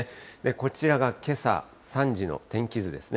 こちらがけさ３時の天気図ですね。